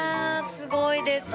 すごいですね。